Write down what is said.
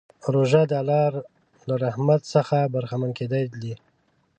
روژه د الله له رحمت څخه برخمن کېدل دي.